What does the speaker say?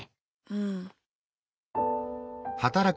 うん。